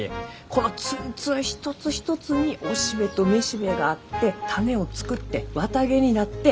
このツンツン一つ一つに雄しべと雌しべがあって種を作って綿毛になって。